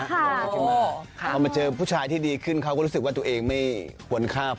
พอมาเจอผู้ชายที่ดีขึ้นเขาก็รู้สึกว่าตัวเองไม่ควรคาบ